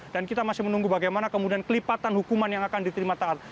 dan kita masih menunggu bagaimana kemudian kelipatan hukuman yang akan diterima taat